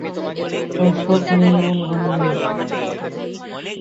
ওঁর শখ নেই এমন বই নেই।